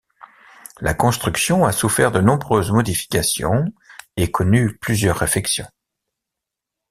La construction a souffert de nombreuses modifications et connu plusieurs réfections.